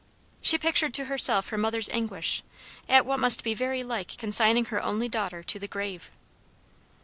She pictured to herself her mother's anguish, at what must be very like consigning her only daughter to the grave.